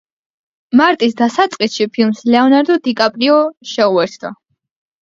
მარტის დასაწყისში ფილმს ლეონარდო დიკაპრიო შეუერთდა.